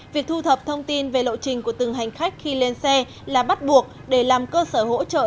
việc thu thập thông tin về lộ trình của từng hành khách khi lên xe là bắt buộc để làm cơ sở hỗ trợ